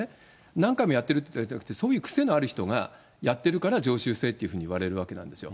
何回もやってるということじゃなくて、そういう癖のある人がやってるから常習性っていうふうにいわれるわけなんですよ。